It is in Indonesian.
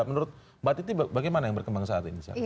menurut mbak titi bagaimana yang berkembang saat ini